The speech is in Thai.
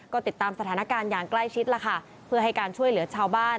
ก็ติดตามสถานการณ์อย่างใกล้ชิดล่ะค่ะเพื่อให้การช่วยเหลือชาวบ้าน